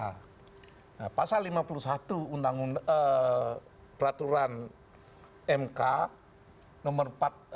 nah pasal lima puluh satu peraturan mk nomor empat dua ribu delapan belas